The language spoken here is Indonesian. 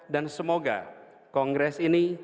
dan semoga kongres ini